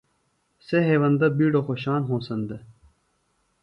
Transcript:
سےۡ ہیوندہ بِیڈہ خوشان ہوںسن دےۡ